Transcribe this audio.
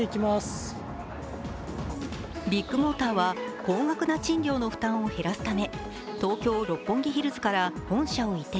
ビッグモーターは高額な賃料の負担を減らすため東京六本木ヒルズから本社を移転。